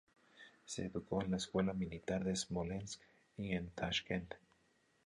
Se educó en la Escuela Militar de Smolensk y en Tashkent.